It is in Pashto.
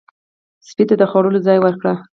سپي ته د خوړلو ځای ورکړئ.